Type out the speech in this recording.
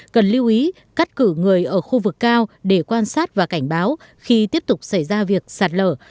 cần lưu ý cắt cử người ở khu vực cao để quan sát và cảnh báo khi tiếp tục xảy ra việc sạt lở